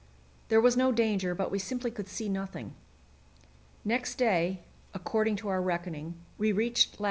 There was no danger, but we simply could see nothing. Next day, according to our reckoning, we reached lat.